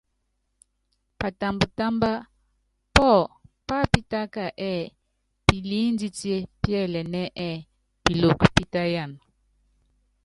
Patambtámb pɔ́ pápitáka ɛ́ɛ piliínditié píɛlɛnɛ́ ɛ́ɛ Piloko pítáyan.